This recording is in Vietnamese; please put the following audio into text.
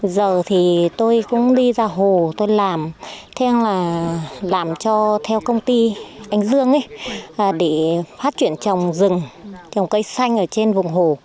giờ thì tôi cũng đi ra hồ tôi làm theo là làm cho theo công ty anh dương để phát triển trồng rừng trồng cây xanh ở trên vùng hồ